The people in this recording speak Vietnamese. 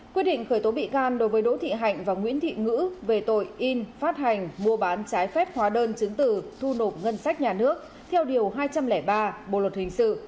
quyết định khởi tố bị can đối với đỗ thị hạnh và nguyễn thị ngỡ về tội in phát hành mua bán trái phép hóa đơn chứng từ thu nộp ngân sách nhà nước theo điều hai trăm linh ba bộ luật hình sự